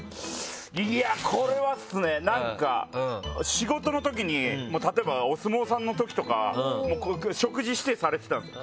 いやこれはっすねなんか仕事のときに例えばお相撲さんのときとか食事指定されてたんですよ